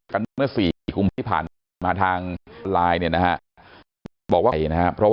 กันเมื่อ๔คุมผ่านมาทางไลน์บอกว่าไอนะครับ